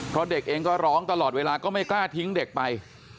เพราะเด็กเองก็ร้องตลอดเวลาก็ไม่กล้าทิ้งเด็กไป